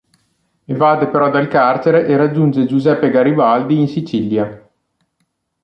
Evade però dal carcere e raggiunge Giuseppe Garibaldi in Sicilia.